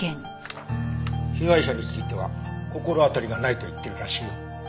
被害者については心当たりがないと言ってるらしいよ。